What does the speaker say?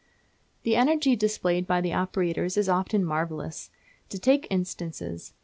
The energy displayed by the operators is often marvellous. To take instances.